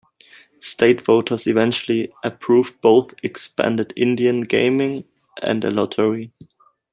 State voters eventually approved both expanded Indian gaming and a lottery.